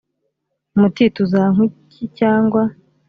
muti tuzanywa iki cyangwa